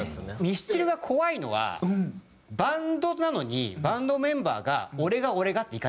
ミスチルが怖いのはバンドなのにバンドメンバーがねえ！